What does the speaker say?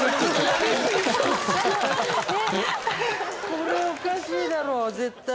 これおかしいだろう絶対。